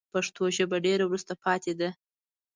پښتو ژبه ډېره وروسته پاته ده